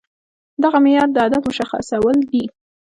دغه معيار د هدف مشخصول دي.